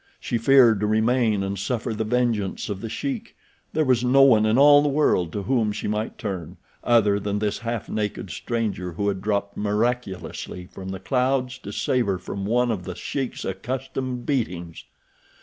She feared to remain and suffer the vengeance of The Sheik. There was no one in all the world to whom she might turn, other than this half naked stranger who had dropped miraculously from the clouds to save her from one of The Sheik's accustomed beatings.